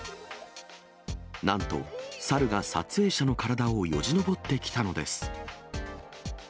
なんと、猿が撮影者の体をよじ登ってきたのです。